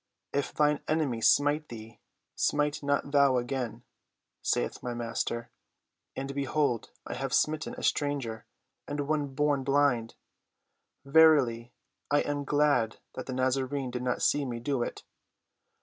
"'If thine enemy smite thee smite not thou again,' saith my Master; and behold I have smitten a stranger and one born blind. Verily, I am glad that the Nazarene did not see me do it.